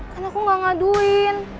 kan aku gak ngaduin